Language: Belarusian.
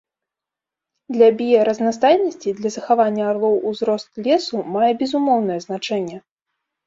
Для біяразнастайнасці, для захавання арлоў узрост лесу мае безумоўнае значэнне.